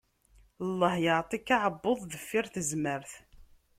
Lleh yeɛṭi-k aɛebbuḍ deffir tezmert!